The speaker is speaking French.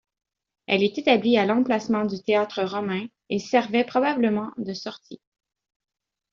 Elle est établie à l'emplacement du théâtre romain et servait probablement de sortie.